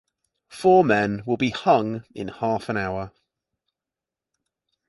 Four men will be hung in half an hour.